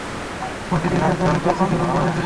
মাটি দিয়ে চোখ ও নাকের ছিদ্র বন্ধ করে দিল।